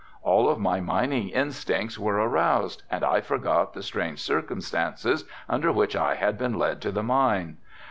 All of my mining instincts were aroused and I forgot the strange circumstances under which I had been led to the mine.